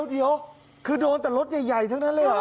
เดี๋ยวคือโดนแต่รถใหญ่ทั้งนั้นเลยเหรอ